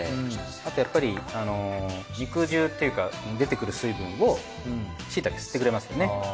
あとやっぱり肉汁っていうか出てくる水分をしいたけ吸ってくれますね。